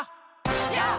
やっ！